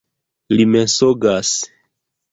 Li mensogas!